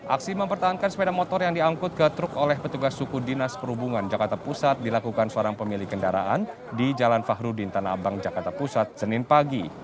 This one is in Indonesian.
aksi mempertahankan sepeda motor yang diangkut ke truk oleh petugas suku dinas perhubungan jakarta pusat dilakukan seorang pemilik kendaraan di jalan fahrudin tanah abang jakarta pusat senin pagi